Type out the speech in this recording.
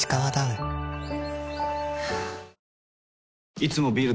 いつもビール